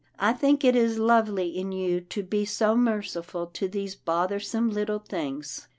I think it is lovely in you to be so merciful to these bothersome little things."